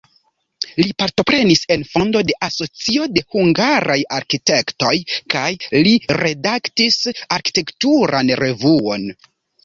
Li partoprenis en fondo de asocio de hungaraj arkitektoj kaj li redaktis arkitekturan revuon.